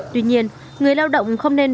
tuy nhiên người lao động không nên